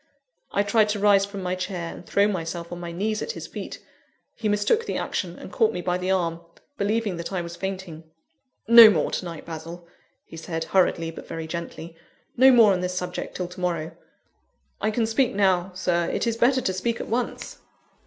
I tried to rise from my chair, and throw myself on my knees at his feet. He mistook the action, and caught me by the arm, believing that I was fainting. "No more to night, Basil," he said, hurriedly, but very gently; "no more on this subject till to morrow." "I can speak now, Sir; it is better to speak at once."